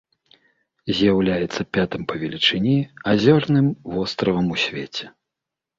З'яўляецца пятым па велічыні азёрным востравам у свеце.